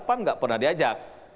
pan tidak pernah diajak